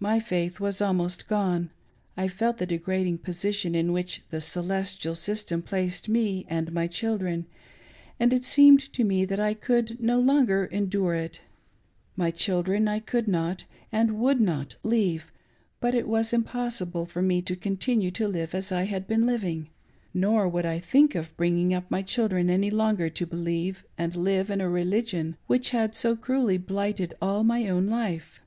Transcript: My faith was almost gone — I felt the degrading position in which the " Celestial" system placed me and my children, and it seemed to me that I could no longer endure it. My children I could not, and would not, leave, but it was impossible for me to continue to live as I had been living— nor would I think of " SIMIUA SIMILIBUS COkANrtrR." tf^I bringing up my children any long^ to beliieve and live a reli gion which had so cruelly blighted" all my own life.